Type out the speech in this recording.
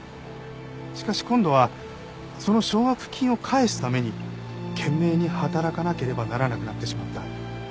しかし今度はその奨学金を返すために懸命に働かなければならなくなってしまった。